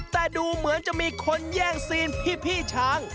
แต่ดูเหมือนจะมีคนแย่งซีนพี่ช้าง